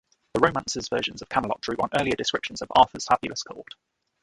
The romancers' versions of Camelot drew on earlier descriptions of Arthur's fabulous court.